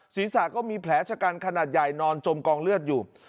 ศีรษะก็มีแผลชะกันขนาดใหญ่นอนจมกองเลือดอยู่